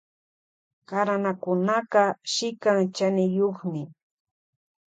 Karanakunaka shikan chaniyukmi.